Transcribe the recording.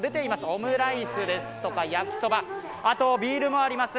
オムライスですとか焼きそば、ビールもあります。